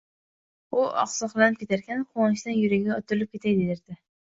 U oqsoqlanib ketarkan, quvonchdan yuragi otilib ketay derdi